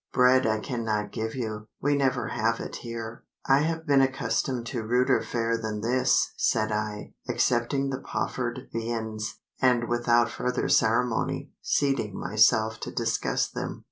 Bread I cannot give you: we never have it here." "I have been accustomed to ruder fare than this," said I, accepting the proffered viands, and without further ceremony, seating myself to discuss them.